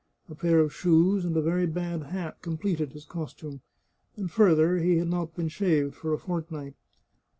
A pair of shoes and a very bad hat completed his costume; and further, he had not been shaved for a fortnight.